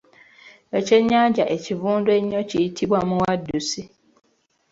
Ekyennyanja ekivundu ennyo kiyitibwa Muwaddusi.